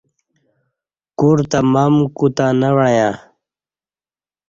کور تں مم کوتں نہ وعیاں